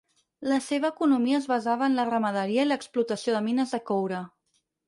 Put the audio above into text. La seva economia es basava en la ramaderia i l'explotació de mines de coure.